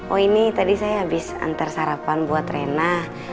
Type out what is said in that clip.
oh ini tadi saya habis antar sarapan buat renah